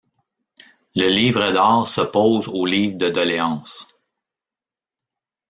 Le livre d'or s'oppose au livre de doléances.